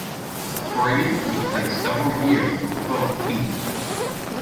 Torriente would play several years for both teams.